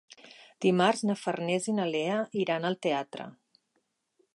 Dimarts na Farners i na Lea iran al teatre.